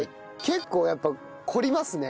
結構やっぱ凝りますね。